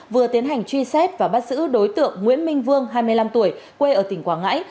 vừa tiến hành truy xét và bắt giữ đối tượng nguyễn minh vương hai mươi năm tuổi quê ở tỉnh quảng ngãi